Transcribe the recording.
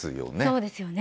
そうですよね。